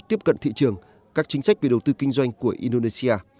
để giúp cận thị trường các chính sách về đầu tư kinh doanh của indonesia